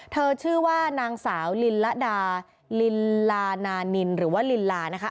ชื่อว่านางสาวลินละดาลินลานานินหรือว่าลินลานะคะ